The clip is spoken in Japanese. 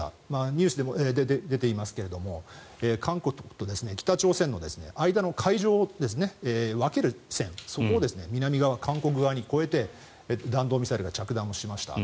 ニュースでも出ていますが韓国と北朝鮮の間の海上を分ける線、そこを南側、韓国側に越えて弾道ミサイルが着弾をしました。